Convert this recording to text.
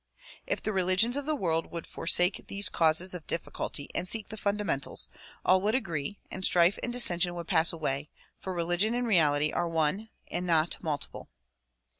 If the religions of the world would for sake these causes of difficulty and seek the fundamentals, all would agree, and strife and dissension would pass away ; for religion and reality are one and not multiple.